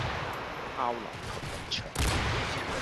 炮樓及圍牆